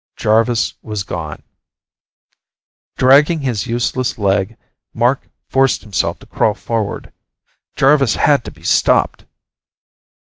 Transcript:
Jarvis was gone. Dragging his useless leg, Mark forced himself to crawl forward. Jarvis had to be stopped.